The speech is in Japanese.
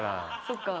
そっか。